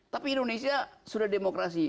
tapi indonesia sudah demokrasi